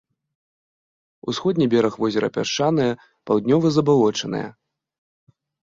Усходні бераг возера пясчаныя, паўднёвы забалочаныя.